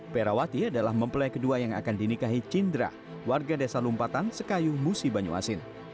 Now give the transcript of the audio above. perawati adalah mempelai kedua yang akan dinikahi cindra warga desa lumpatan sekayu musi banyuasin